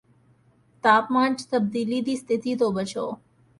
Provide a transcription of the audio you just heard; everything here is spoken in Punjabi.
ਤਾਪਮਾਨ ਚ ਤਬਦੀਲੀ ਦੀ ਸਥਿਤੀ ਤੋਂ ਬਚੋ